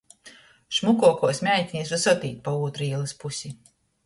Šmukuokuos meitinis vysod īt pa ūtru īlys pusi.